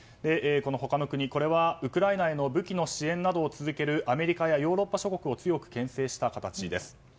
他の国、これはウクライナへ武器の支援続けるアメリカやヨーロッパ諸国を強く牽制した形です。